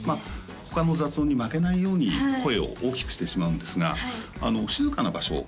他の雑音に負けないように声を大きくしてしまうんですが静かな場所